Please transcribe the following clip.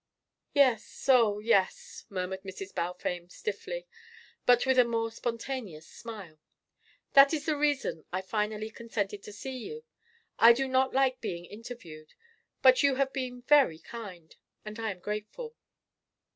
"Yes, oh yes," murmured Mrs. Balfame stiffly, but with a more spontaneous smile. "That is the reason I finally consented to see you. I do not like being interviewed. But you have been very kind, and I am grateful."